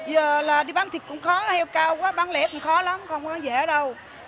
giờ là đi bán thịt cũng khó heo cao quá bán lẻ cũng khó lắm không có rẻ đâu